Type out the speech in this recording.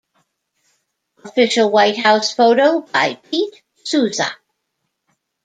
Official White House photo by Pete Souza.